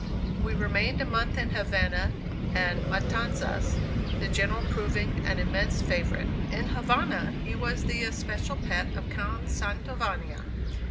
We remained a month in Havana and Matanzas, the General proving an immense favorite. In Havana he was the especial pet of Count Santovania.